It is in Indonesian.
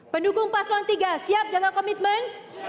pendukung paslon tiga siap jaga komitmen